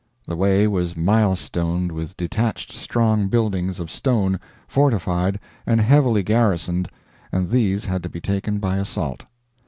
The way was mile stoned with detached strong buildings of stone, fortified, and heavily garrisoned, and these had to be taken by assault.